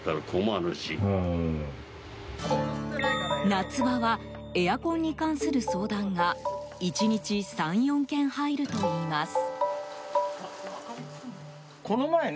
夏場はエアコンに関する相談が１日、３４件入るといいます。